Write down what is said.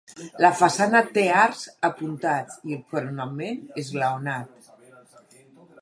La façana té arcs apuntats i el coronament esglaonat.